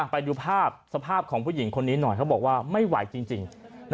ไปดูภาพสภาพของผู้หญิงคนนี้หน่อยเขาบอกว่าไม่ไหวจริง